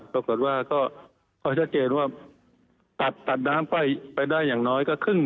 ปรากฏว่าก็พอชัดเจนว่าตัดตัดน้ำไปได้อย่างน้อยก็ครึ่ง